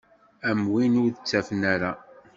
Am win ur ttafen ara.